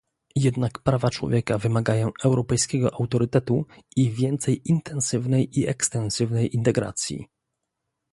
Jednak prawa człowieka wymagają europejskiego autorytetu i więcej intensywnej i ekstensywnej integracji